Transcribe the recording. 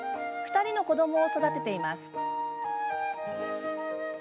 ２人の子どもを育てています。